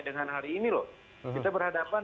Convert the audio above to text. dengan hari ini loh kita berhadapan